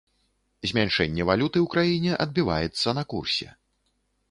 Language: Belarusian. Змяншэнне валюты ў краіне адбіваецца на курсе.